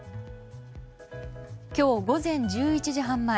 今日午前１１時半前